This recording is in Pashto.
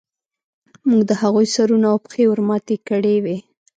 موږ د هغوی سرونه او پښې ورماتې کړې وې